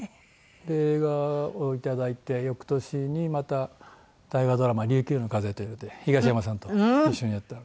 で映画を頂いて翌年にまた大河ドラマ『琉球の風』というので東山さんとご一緒にやったので。